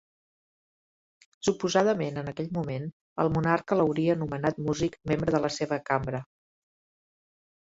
Suposadament en aquell moment el monarca l'hauria nomenat músic membre de la seva Cambra.